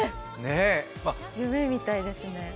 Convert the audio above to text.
夢みたいですね。